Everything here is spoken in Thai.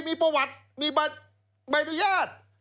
มีประวัติมีใบอนุญาต